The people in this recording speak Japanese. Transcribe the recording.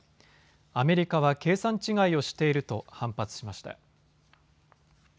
アメリカは計算違いをしていると反発しました。